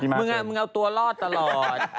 มึงมึงเอาตัวรอดตลอด